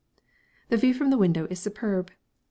The view from the window is superb.